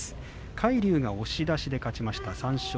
海龍が押し出しで勝ちました。